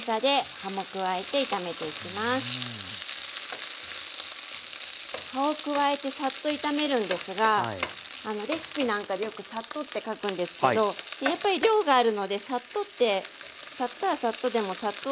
葉を加えてサッと炒めるんですがレシピなんかでよく「サッと」って書くんですけどやっぱり量があるので「サッと」って「サッと」は「サッと」でも「サッと」でもないというか。